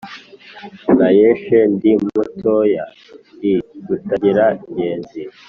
nayeshe ndi mutoya i rutangira ngenzi.